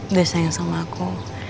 udah sayang sama aku